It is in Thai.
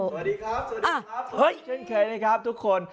สวัสดีครับสวัสดีครับเฮ้ยเช่นเคยนะครับทุกคน